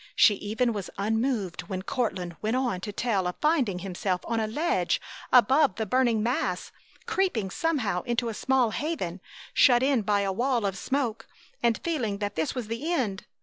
She even was unmoved when Courtland went on to tell of finding himself on a ledge above the burning mass, creeping somehow into a small haven, shut in by a wall of smoke, and feeling that this was the end.